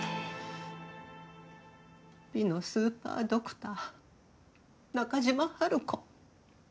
美のスーパードクター中島ハルコ